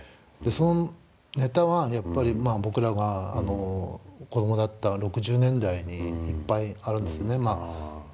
そのネタはやっぱり僕らが子供だった６０年代にいっぱいあるんですね。